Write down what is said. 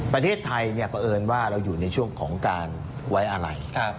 ประเทศไทยเพราะเอิญว่าเราอยู่ในช่วงของการไว้อะไร